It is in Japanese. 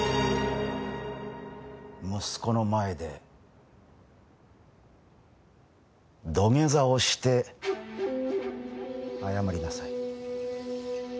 息子の前で土下座をして謝りなさい。